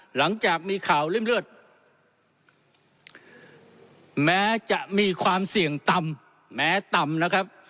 หลังจากมีข่าวริ่มเลือดแม้จะมีความเสี่ยงต่ำแม้ต่ำนะครับ